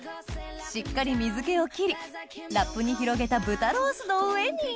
しっかり水気を切りラップに広げた豚ロースの上に！